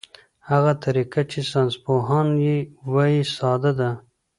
هغه طریقه چې ساینسپوهان یې وايي ساده ده.